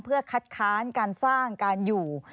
เพื่อคัดค้านการสร้างการอยู่